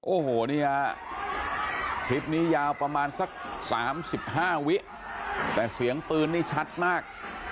โอ้โหนี่ฮะคลิปนี้ยาวประมาณสัก๓๕วิแต่เสียงปืนนี่ชัดมาก